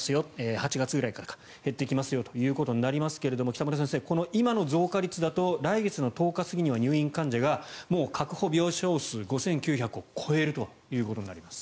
８月ぐらいから減ってきますとなりますけど北村先生、今の増加率だと来月の１０日過ぎには入院患者がもう確保病床数５９００を超えるとなります。